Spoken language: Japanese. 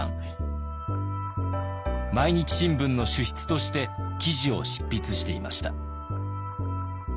「毎日新聞」の主筆として記事を執筆していました。